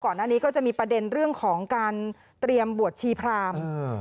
ก่อนหน้านี้ก็จะมีประเด็นเรื่องของการเตรียมบวชชีพราม